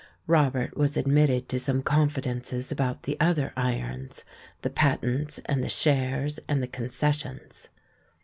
Robert was admitted to some confidences about the other irons — the patents, and the shares, and the con cessions.